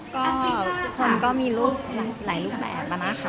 ก็คนก็มีหลายลูกแหละนะคะ